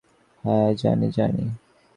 হ্যাঁ, জানি, জানি।